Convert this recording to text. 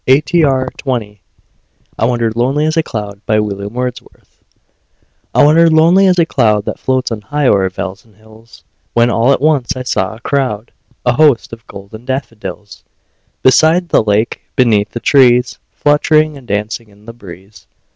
William Wordsworth I Wandered Lonely As a Cloud I WANDERED lonely as a cloud That floats on high o'er vales and hills, When all at once I saw a crowd, A host, of golden daffodils; Beside the lake, beneath the trees, Fluttering and dancing in the breeze.